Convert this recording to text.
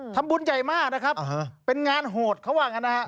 ทำบุญใหญ่มากนะครับเป็นงานโหดเขาว่างั้นนะฮะ